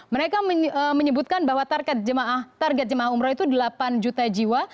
mereka menyebutkan bahwa target jemaah umroh itu delapan juta jiwa